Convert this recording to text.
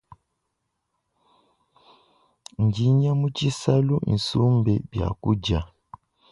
Ndinya mu tshisalu isumbe biakudia.